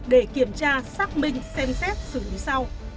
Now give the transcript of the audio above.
để kiểm tra xác minh xem xét xử lý sau